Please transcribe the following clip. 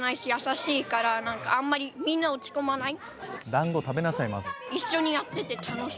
だんご食べなさいまず。